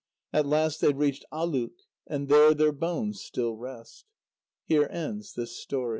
At last they reached Aluk, and there their bones still rest. Here ends this story.